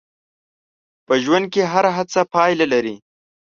په ژوند کې هره هڅه پایله لري.